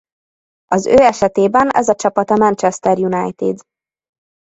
Az ő esetében ez a csapat a Manchester United.